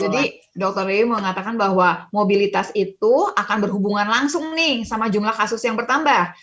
jadi dokter rewi mengatakan bahwa mobilitas itu akan berhubungan langsung nih sama jumlah kasus yang bertambah